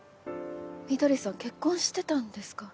翠さん結婚してたんですか？